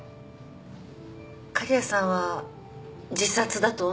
狩矢さんは自殺だとお思いですか？